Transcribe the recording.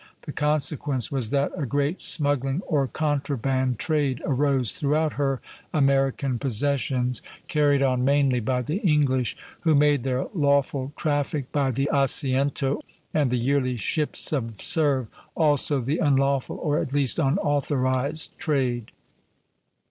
The consequence was that a great smuggling or contraband trade arose throughout her American possessions, carried on mainly by the English, who made their lawful traffic by the Asiento and the yearly ship subserve also the unlawful, or at least unauthorized, trade.